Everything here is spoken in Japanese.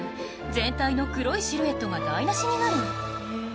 全体の黒いシルエットが台なしになる。